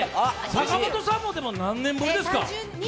坂本さんも何年ぶりですか。